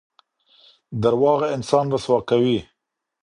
درواغ انسان رسوا کوي.